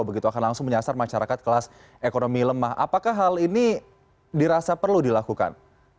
begitu akan langsung menyasar masyarakat kelas ekonomi lemah apakah hal ini dirasa perlu dilakukan